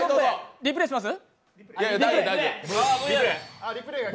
リプレーします？